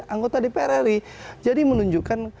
anggota dpr ri jadi menunjukkan